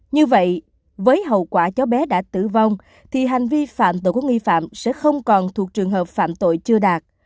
như vậy với hậu quả cháu bé đã tử vong thì hành vi phạm tội của nghi phạm sẽ không còn thuộc trường hợp phạm tội chưa đạt